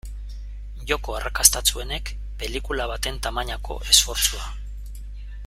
Joko arrakastatsuenek pelikula baten tamainako esfortzua.